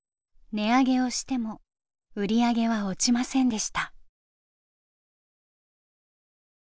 値上げをしても売り上げは落ちませんでした。